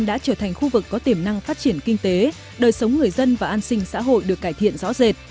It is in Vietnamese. đã trở thành khu vực có tiềm năng phát triển kinh tế đời sống người dân và an sinh xã hội được cải thiện rõ rệt